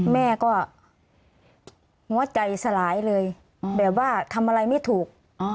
แม่ก็หัวใจสลายเลยแบบว่าทำอะไรไม่ถูก